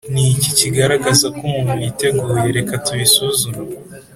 Ni iki kigaragaza ko umuntu yiteguye Reka tubisuzume